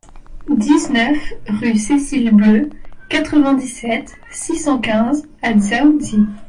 dix-neuf rue Cecile Bleue, quatre-vingt-dix-sept, six cent quinze à Dzaoudzi